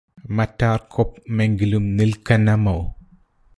മറ്റാര്കൊപ്മെങ്കിലും നില്ക്കനമോ